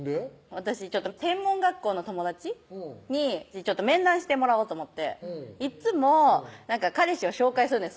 私専門学校の友達に面談してもらおうと思っていっつも彼氏を紹介するんです